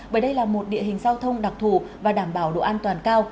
bởi đây là một địa hình giao thông đặc thù và đảm bảo độ an toàn cao